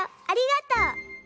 ありがとう。